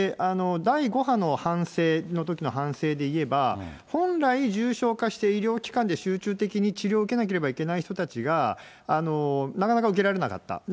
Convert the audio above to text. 第５波のときの反省で言えば、本来重症化して、医療機関で集中的に治療を受けなければいけない人たちが、なかなか受けられなかった。